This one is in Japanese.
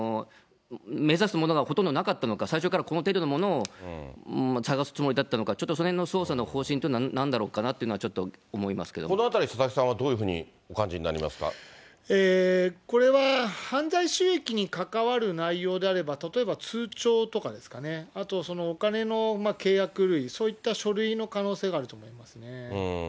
目指すものがほとんどなかったのか、最初からこの程度のものを捜すつもりだったのか、そのへんの捜査の方針というのはなんだろうかなというのはちょっこのあたり、佐々木さんはどこれは、犯罪収益に関わる内容であれば、例えば通帳とかですかね、あと、お金の契約類、そういった書類の可能性があると思いますね。